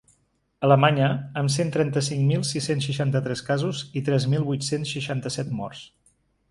Alemanya, amb cent trenta-cinc mil sis-cents seixanta-tres casos i tres mil vuit-cents seixanta-set morts.